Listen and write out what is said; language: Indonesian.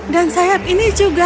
dan sayap ini juga